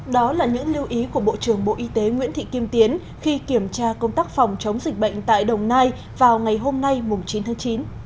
đó là những lưu ý của bộ trưởng bộ y tế nguyễn thị kim tiến khi kiểm tra công tác phòng chống dịch bệnh tại đồng nai vào ngày hôm nay chín tháng chín